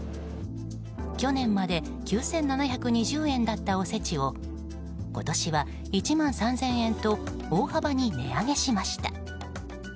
去年まで９７２０円だったおせちを今年は１万３０００円と大幅に値上げしました。